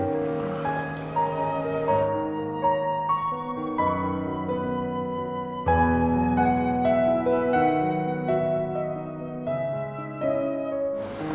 jadi dia harus pulang duluan